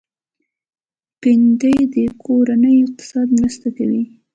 بېنډۍ د کورني اقتصاد مرسته کوي